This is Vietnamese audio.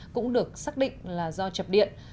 cũng được xác định là do chập điện